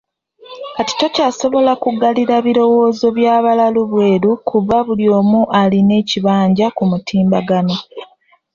Kati tokyasobola kuggalira birowoozo bya balalu bweru kuba buli omu alina ekibanja ku mutimbagano